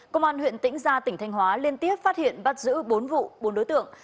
công an huyện tĩnh gia tỉnh thanh hóa liên tiếp phát hiện bắt giữ bốn vụ bốn đối tượng